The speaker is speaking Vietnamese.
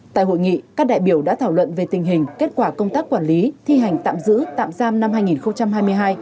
tại hội nghị các đại biểu đã thảo luận về tình hình kết quả công tác quản lý thi hành tạm giữ tạm giam năm hai nghìn hai mươi hai